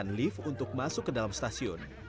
dan juga menggunakan lift untuk masuk ke dalam stasiun